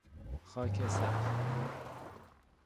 خاک سخت